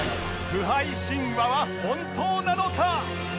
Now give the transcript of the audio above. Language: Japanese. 不敗神話は本当なのか？